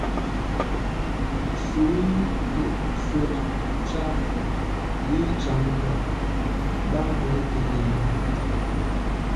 Ntshu i nke ntswe’ tsha’ yi ntsan ngo’ bàn bwe ke yen.